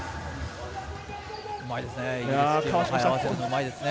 うまいですね。